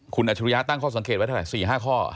คุณอัจฉริยะตั้งข้อสังเกตไว้เท่าไหร่๔๕ข้อ